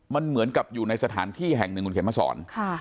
มันเหมือนกับอยู่ในสถานที่แห่งหนึ่งคุณเข็มมาสอน